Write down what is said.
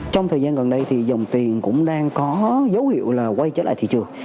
trong thời gian gần đây thì dòng tiền cũng đang có dấu hiệu là quay trở lại thị trường